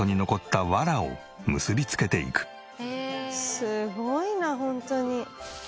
すごいなホントに。